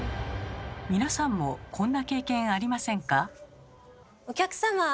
皆さんもこんな経験ありませんか？